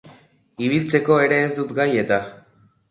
Ibiltzeko ere ez duk gai eta.